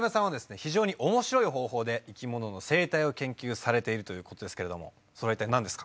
非常に面白い方法で生きものの生態を研究されているということですけれどもそれは一体何ですか？